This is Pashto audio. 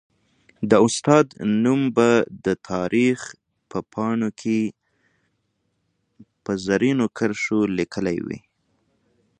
د استاد نوم به د تاریخ په پاڼو کي په زرینو کرښو ليکلی وي.